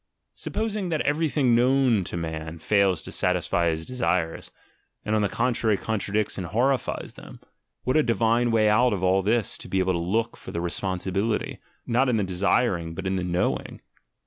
Supposing that everything, "known" to man, fails to satisfy his desires, and on the contrary contradicts and horrifies them, what a divine way out of all this to be able to look for the responsibility, not in the "desiring" but in "knowing"!